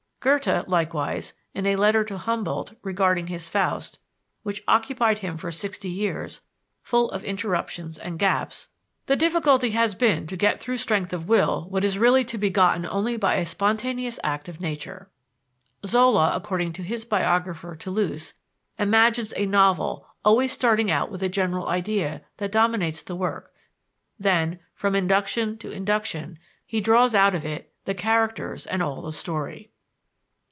Goethe, likewise, in a letter to Humboldt regarding his Faust, which occupied him for sixty years, full of interruptions and gaps: "The difficulty has been to get through strength of will what is really to be gotten only by a spontaneous act of nature." Zola, according to his biographer, Toulouse, "imagines a novel, always starting out with a general idea that dominates the work; then, from induction to induction, he draws out of it the characters and all the story."